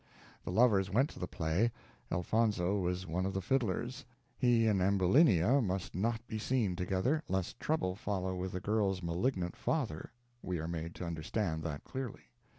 The lovers went to the play. Elfonzo was one of the fiddlers. He and Ambulinia must not be seen together, lest trouble follow with the girl's malignant father; we are made to understand that clearly.